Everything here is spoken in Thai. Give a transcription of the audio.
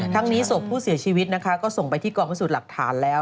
ทั้งนี้ศพผู้เสียชีวิตนะคะก็ส่งไปที่กองพิสูจน์หลักฐานแล้ว